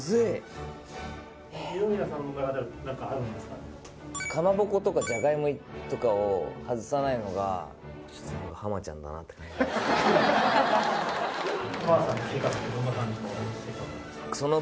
かまぼことかじゃがいもとかを外さないのがって感じですね